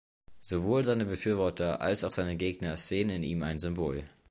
Sowohl seine Befürworter als auch seine Gegner sehen in ihm ein Symbol.